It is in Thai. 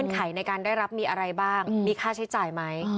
ไขในการได้รับมีอะไรบ้างมีค่าใช้จ่ายไหม